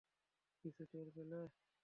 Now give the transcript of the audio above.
কিছু টের পেলে?